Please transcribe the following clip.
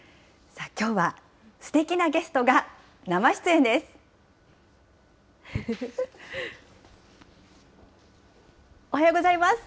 さあ、きょうはすてきなゲストが生出演です。